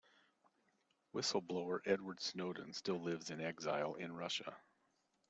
Whistle-blower Edward Snowden still lives in exile in Russia.